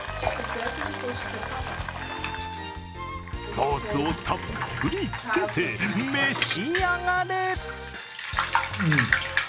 ソースをたっぷりつけて、召し上がれ。